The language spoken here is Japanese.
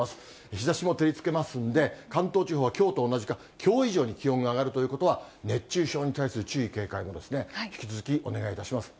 日ざしも照りつけますんで、関東地方はきょうと同じか、きょう以上に気温が上がるということは、熱中症に対する注意、警戒を引き続きお願いいたします。